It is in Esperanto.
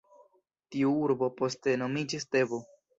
Tiu urbo poste nomiĝis Tebo.